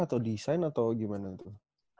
atau desain atau gimana tuh